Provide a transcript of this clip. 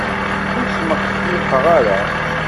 Ur smeqmiq ara!